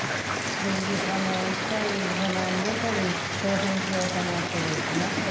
１回猫に挑戦しようと思ってですね